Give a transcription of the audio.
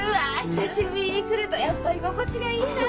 久しぶりに来るとやっぱ居心地がいいな。